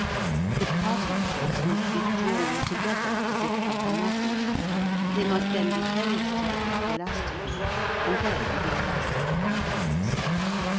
The cartilages must be drawn together as if by a magnet ; they must then be held together elastically and then be elastically relaxed.